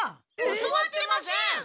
教わってません！